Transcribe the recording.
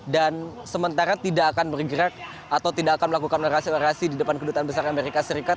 dan sementara tidak akan bergerak atau tidak akan melakukan orasi orasi di depan kedutaan besar amerika serikat